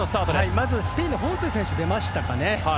まずフォントゥ選手が出ましたかね。